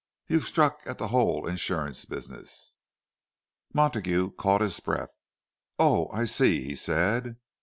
You've struck at the whole insurance business!" Montague caught his breath. "Oh, I see!" he said.